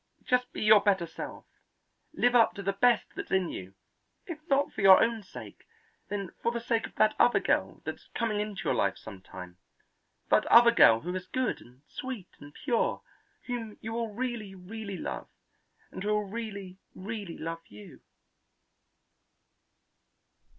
Just be your better self; live up to the best that's in you; if not for your own sake, then for the sake of that other girl that's coming into your life some time; that other girl who is good and sweet and pure, whom you will really, really love and who will really, really love you."